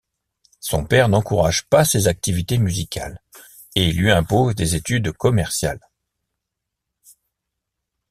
Son père n'encourage pas ses activités musicales et lui impose des études commerciales.